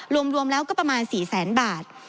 รวมรวมแล้วก็ประมาณ๔๐๐๐๐๐บาท